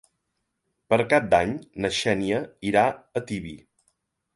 Per Cap d'Any na Xènia irà a Tibi.